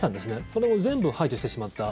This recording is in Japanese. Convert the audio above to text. それも全部排除してしまった。